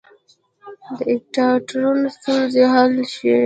د اپټا تړون ستونزې حل شوې؟